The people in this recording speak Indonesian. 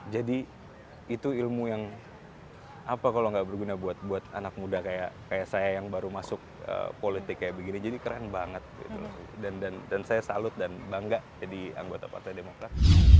jadi itu ilmu yang apa kalo gak berguna buat anak muda kayak saya yang baru masuk politik kayak begini jadi keren banget gitu loh dan saya salut dan bangga jadi anggota partai demokrat